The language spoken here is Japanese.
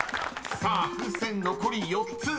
［さあ風船残り４つ］